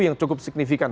yang cukup signifikan